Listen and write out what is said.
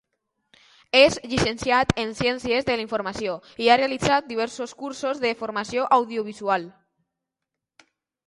És llicenciat en Ciències de la informació, i ha realitzat diversos cursos de formació audiovisual.